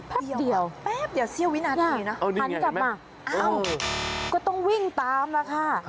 แป๊บเดี๋ยวเซียววินาทีนะหันจับมาก็ต้องวิ่งตามละค่ะ